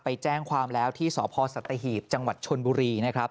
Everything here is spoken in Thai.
ไปแจ้งความแล้วที่สสตหิตจชนบุรีนะครับ